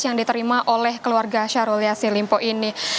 yang diterima oleh keluarga syahrul yassin limpo ini